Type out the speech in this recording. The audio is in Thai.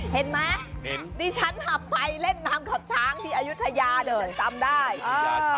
เห็นมั้ยนี่ฉันหับไปเล่นน้ำขับช้างที่อยุธยาเลยจังจำได้อ่า